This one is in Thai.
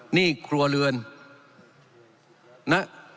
หนี้ครัวเรือนณ๒๖๕